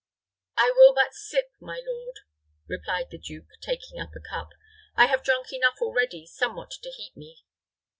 "I will but sip, my lord," replied the duke, taking up a cup. "I have drank enough already somewhat to heat me."